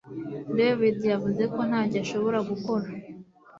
David yavuze ko ntacyo ashobora gukora